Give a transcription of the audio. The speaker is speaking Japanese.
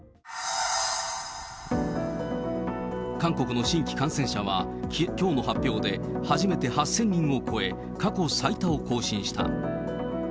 韓国の新規感染者はきょうの発表で初めて８０００人を超え、過去最多を更新した。